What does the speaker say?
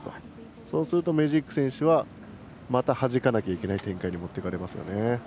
そうするとメジーク選手はまたはじかなきゃいけない展開に持っていかれますよね。